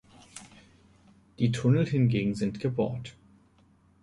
Die Tunnel hingegen sind gebohrt.